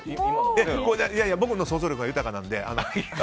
僕の想像力が豊かなので。